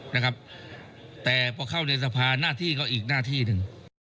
นะครับแต่พอเข้าในสภาหน้าที่ก็อีกหน้าที่หนึ่ง